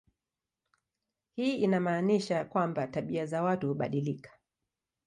Hii inamaanisha kwamba tabia za watu hubadilika.